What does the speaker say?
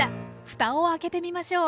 ふたを開けてみましょう。